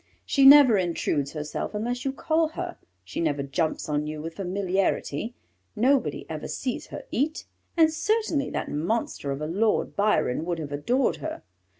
She never intrudes herself unless you call her; she never jumps on you with familiarity; nobody ever sees her eat, and certainly that monster of a Lord Byron would have adored her.